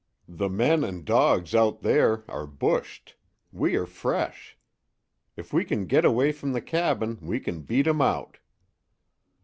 The men and dogs out there are bushed. We are fresh. If we can get away from the cabin we can beat 'em out."